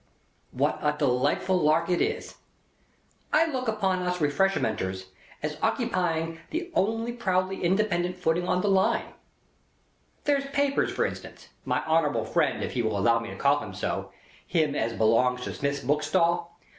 What a delightful lark it is! I look upon us Refreshmenters as ockipying the only proudly independent footing on the Line. There's Papers for instance—my honourable friend if he will allow me to call him so—him as belongs to Smith's bookstall.